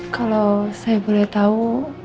kalau saya boleh tahu